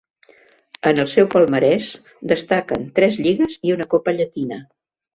En el seu palmarès destaquen tres lligues i una Copa Llatina.